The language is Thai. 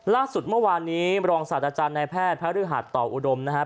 ล่าสุดเมื่อวานนี้รองศาสตราจารย์ในแพทย์พระฤหัสต่ออุดมนะครับ